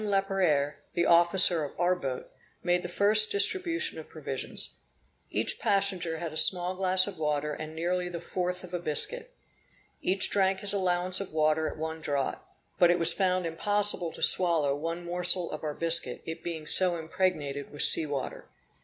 Laperere, the officer of our boat, made the first distribution of provisions. Each passenger had a small glass of water and nearly the fourth of a biscuit. Each drank his allowance of water at one draught, but it was found impossible to swallow one morsel of our biscuit, it being so impregnated with sea water.